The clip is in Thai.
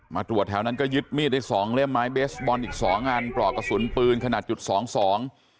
ตรวจแถวนั้นก็ยึดมีดได้สองเล่มไม้เบสบอลอีกสองอันปลอกกระสุนปืนขนาดจุดสองสอง